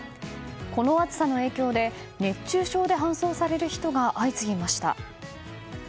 この暑さの影響で、熱中症で搬送される人が相次ぎました。